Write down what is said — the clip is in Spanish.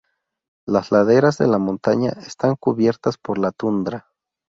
Las laderas de la montaña están cubiertas por la tundra.